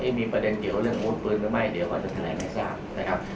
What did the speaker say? มีประเด็นเกี่ยวเรื่องอาวุธปืนหรือไม่เดี๋ยวก่อนจะแถลงให้ทราบนะครับ